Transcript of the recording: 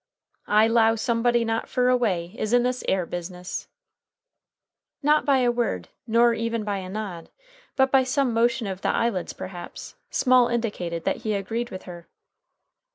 "I 'low somebody not fur away is in this 'ere business!" Not by a word, nor even by a nod, but by some motion of the eyelids, perhaps, Small indicated that he agreed with her.